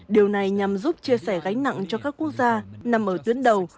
điều này nhằm giúp chia sẻ gánh nặng cho các quốc gia nằm ở tuyến đầu